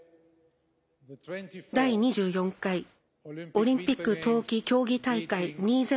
第２４回オリンピック冬季競技大会２０２２